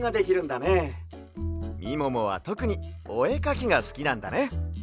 みももはとくにおえかきがすきなんだね。